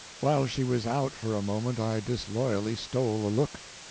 While she was out for a moment I disloyally stole a look.